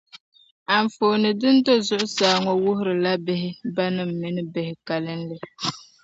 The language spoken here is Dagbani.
Anfooni din do zuɣusaa ŋɔ wuhiri la bihibanim mini bɛ bihi kalinli.